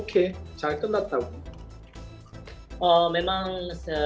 kita berusaha untuk berusaha